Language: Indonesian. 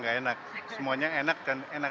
gak enak semuanya enak dan enak